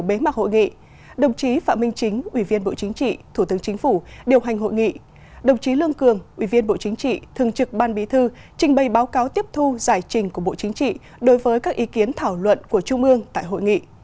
bàn chấp hành trung ương đối với các ý kiến thảo luận của trung ương tại hội nghị